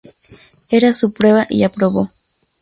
Era su prueba, y aprobó.